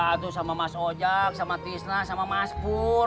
aduh sama mas ojang sama tisna sama mas pur